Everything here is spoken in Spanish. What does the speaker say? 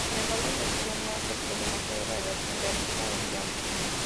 Sin embargo esa decisión no afectó demasiado la relación de amistad entre ambos.